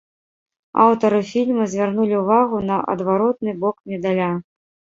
Аўтары фільма звярнулі ўвагу на адваротны бок медаля.